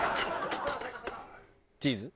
チーズ？